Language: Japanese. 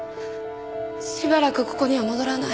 しばらくここには戻らない。